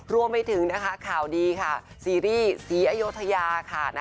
รวมไปถึงข่าวดีค่ะซีรีส์สีอยโยธยาค่ะ